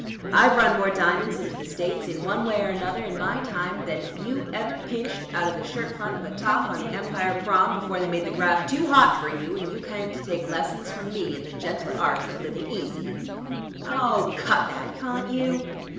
I've run more diamonds into the States, in one way or another, in my time, than you ever pinched out of the shirt front of a toff on the Empire Prom., before they made the graft too hot for you and you came to take lessons from me in the gentle art of living easy." "Oh, cut that, cawn't you?"